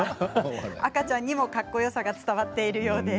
赤ちゃんにもかっこよさが伝わっているようです